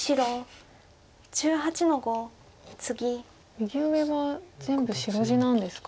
右上は全部白地なんですか？